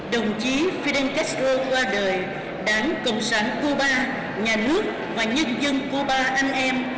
đồng chí fidel castro qua đời đảng cộng sản cuba nhà nước và nhân dân cuba anh em